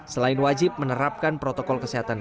selain wajib menerapkan protokol kesehatan